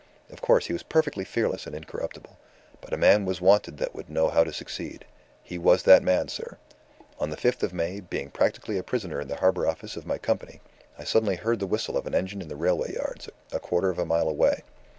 Of course, he was perfectly fearless and incorruptible. But a man was wanted that would know how to succeed. He was that man, sir. On the fifth of May, being practically a prisoner in the Harbour Office of my Company, I suddenly heard the whistle of an engine in the railway yards, a quarter of a mile away.